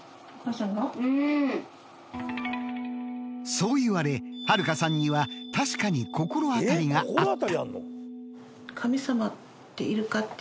そう言われ春香さんには確かに心当たりがあった。